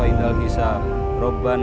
itu kejutan kan